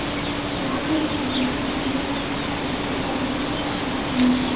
Their second film, "Animal Crackers", was also shot there.